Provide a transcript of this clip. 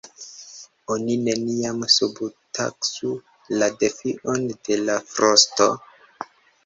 Oni neniam subtaksu la defion de la frosto!